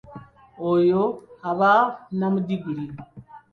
Oyo aba nnamudiguli.